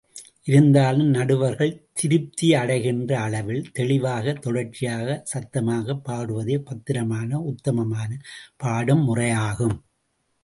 இருந்தாலும் நடுவர்கள் திருப்தியடைகின்ற அளவில், தெளிவாக, தொடர்ச்சியாக, சத்தமாகப் பாடுவதே, பத்திரமான, உத்தமமான பாடும் முறையாகும்.